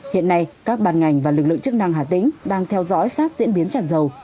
hiện nay các bàn ngành và lực lượng chức năng hà tĩnh đang theo dõi sát diễn biến tràn dầu